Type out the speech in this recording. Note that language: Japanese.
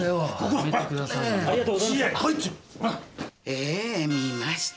ええ見ました。